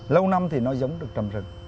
lâu năm thì nó giống được trầm rừng